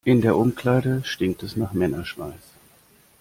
In der Umkleide stinkt es nach Männerschweiß.